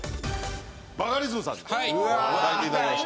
バカリズムさんに描いて頂きました。